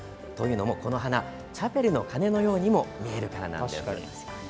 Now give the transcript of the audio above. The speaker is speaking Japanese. この花、チャペルの鐘のようにも見えるからなんです。